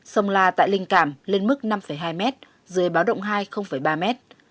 sông la tại linh cảm lên mức năm hai m dưới báo động hai ba mét